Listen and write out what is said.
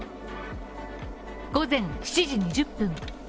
午前７時２０分。